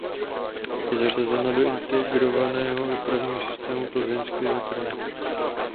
Je zařazena do Integrovaného dopravního systému Plzeňského kraje.